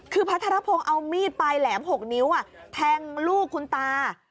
คือพัทรพงศ์เอามีดปลายแหลม๖นิ้วแทงลูกคุณตา